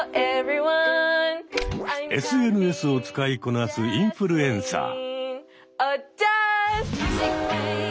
ＳＮＳを使いこなすインフルエンサー。